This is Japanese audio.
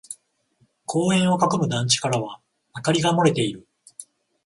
公園を囲む団地からは明かりが漏れている。